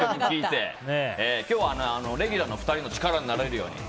今日はレギュラーの２人の力になれるように。